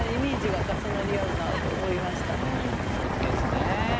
うんすてきですね！